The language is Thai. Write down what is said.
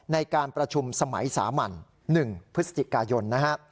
ในการประชุมสมัยสามัญ๑พฤศจิกายนนะฮะ